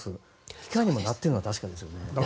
機会になっているのも確かですね。